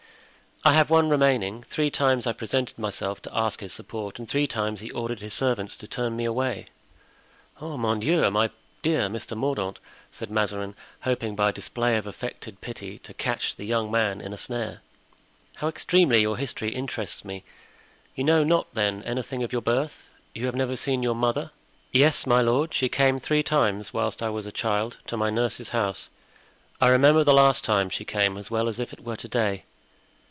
"I have one remaining. Three times I presented myself to ask his support and three times he ordered his servants to turn me away." "Oh, mon Dieu! my dear Mr. Mordaunt," said Mazarin, hoping by a display of affected pity to catch the young man in a snare, "how extremely your history interests me! You know not, then, anything of your birth—you have never seen your mother?" "Yes, my lord; she came three times, whilst I was a child, to my nurse's house; I remember the last time she came as well as if it were to day."